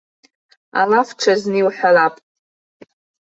Алаф ҽазны иуҳәалап.